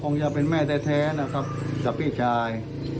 คงจะเป็นแม่แท้นะครับกับพี่ชาย